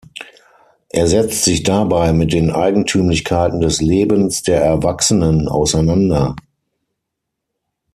Er setzt sich dabei mit den Eigentümlichkeiten des Lebens der Erwachsenen auseinander.